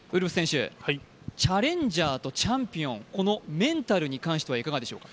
チャレンジャーとチャンピオン、このメンタルに関してはいかがでしょうか？